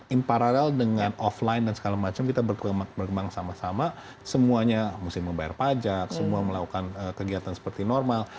imparal dengan offline dan segala macam kita berkembang sama sama semuanya mesti membayar pajak semua melakukan kegiatan seperti normal